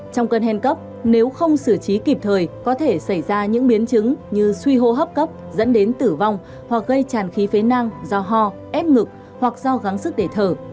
trong cơn hen cấp nếu không xử trí kịp thời có thể xảy ra những biến chứng như suy hô hấp cấp dẫn đến tử vong hoặc gây tràn khí phế năng do ho ép ngực hoặc do gắng sức để thở